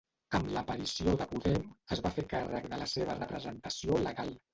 Amb l'aparició de Podem es va fer càrrec de la seva representació legal.